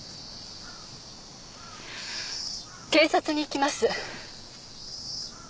警察に行きます。